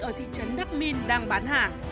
ở thị trấn đắc minh đang bán hàng